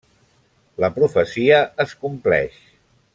La profecia es compleix.